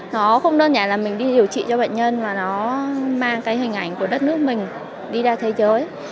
nó không đơn giản là mình đi điều trị cho bệnh nhân mà nó mang cái hình ảnh của đất nước mình đi ra thế giới